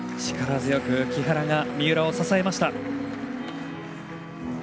力強く木原が三浦を支えました。